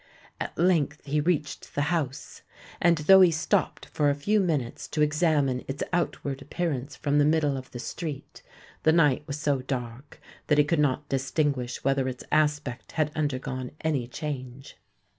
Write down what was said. At length he reached the house; and though he stopped for a few minutes to examine its outward appearance from the middle of the street, the night was so dark that he could not distinguish whether its aspect had undergone any change.